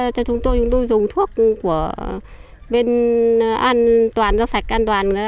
thì chúng tôi dùng thuốc của bên an toàn rau sạch an toàn